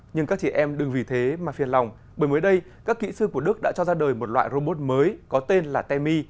nhưng các chị em đừng vì thế mà phiền lòng bởi mới đây các kỹ sư của đức đã cho ra đời một loại robot mới có tên là temi